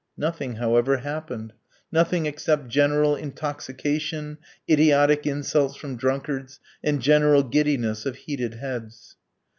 Nothing, however, happened; nothing except general intoxication, idiotic insults from drunkards, and general giddiness of heated heads.